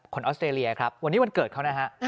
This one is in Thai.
ออสเตรเลียครับวันนี้วันเกิดเขานะฮะ